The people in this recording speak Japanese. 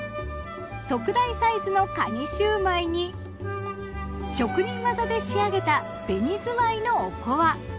特大サイズのかにしゅうまいに職人技で仕上げた紅ずわいのおこわ。